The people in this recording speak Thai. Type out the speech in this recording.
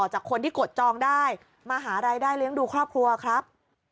หารายได้เลี้ยงดูครอบครัวครับ